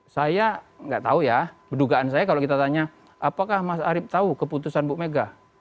saya nggak tahu ya dugaan saya kalau kita tanya apakah mas arief tahu keputusan bu mega